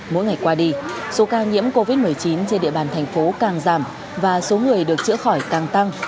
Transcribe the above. mỗi ngày qua đi số ca nhiễm covid một mươi chín trên địa bàn thành phố càng giảm và số người được chữa khỏi càng tăng